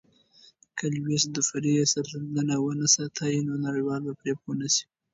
که لويس دوپري یې سرښندنه ونه ستایي، نو نړیوال به پرې پوه نه سي.